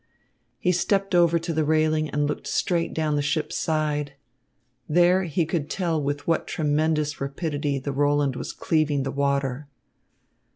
He stepped over to the railing and looked straight down the ship's side. There he could tell with what tremendous rapidity the Roland was cleaving the water.